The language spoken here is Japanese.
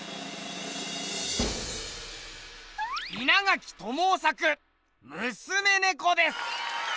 稲垣知雄作「娘猫」です。